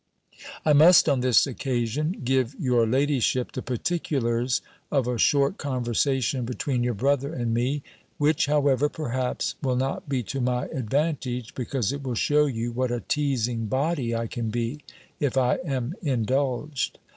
I must, on this occasion, give your ladyship the particulars of a short conversation between your brother and me; which, however, perhaps, will not be to my advantage, because it will shew you what a teazing body I can be, if I am indulged.